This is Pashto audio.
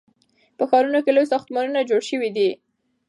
په ښارونو کې لوی ساختمانونه جوړ سوي دي.